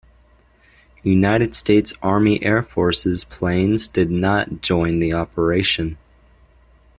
United States Army Air Forces planes did not join the operation.